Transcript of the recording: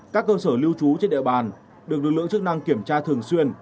các cơ sở lưu trú trên địa bàn được lực lượng chức năng kiểm tra thường xuyên